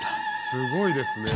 すごいですね。